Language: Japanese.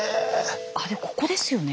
あれここですよね